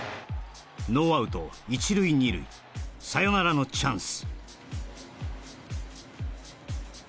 ノーアウト１塁２塁サヨナラのチャンス